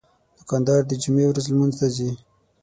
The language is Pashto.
دوکاندار د جمعې ورځ لمونځ ته ځي.